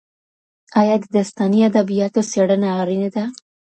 آیا د داستاني ادبیاتو څېړنه اړینه ده؟